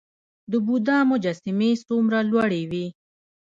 د بودا مجسمې څومره لوړې وې؟